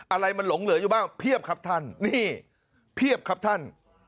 อะไรมันหลงเหลืออยู่บ้างเพียบครับท่านนี่เพียบครับท่าน